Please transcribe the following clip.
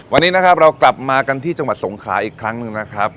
วันนี้นะครับเรากลับมากันที่จังหวัดสงขลาอีกครั้งหนึ่งนะครับ